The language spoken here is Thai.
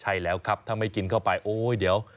ใช่แล้วครับถ้าไม่กินเข้าไปโอ๊ยเดี๋ยว